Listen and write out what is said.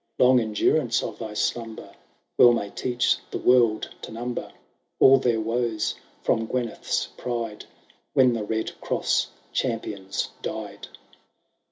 Long endurance of thy slumber WeU may teach the world to number All their woes from Gyneth'b pride, When the Bed Cross champions died.